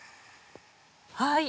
はい。